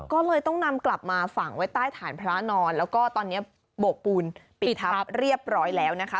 ก็เลยต้องนำกลับมาฝังไว้ใต้ฐานพระนอนแล้วก็ตอนนี้โบกปูนปิดทับเรียบร้อยแล้วนะคะ